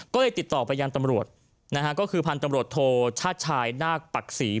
ก็เลยติดต่อไปยังตำรวจนะฮะก็คือพันธุ์ตำรวจโทชาติชายนาคปักศรี